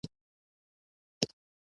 د سیند بلې غاړې ته وضعیت بل ډول و.